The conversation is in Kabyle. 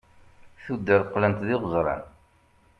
tuddar qlent d iɣeẓran